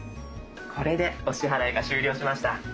これでお支払いが終了しました。